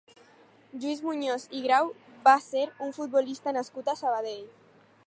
Lluís Muñoz i Grau va ser un futbolista nascut a Sabadell.